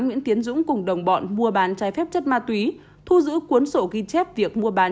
nguyễn tiến dũng cùng đồng bọn mua bán trái phép chất ma túy thu giữ cuốn sổ ghi chép việc mua bán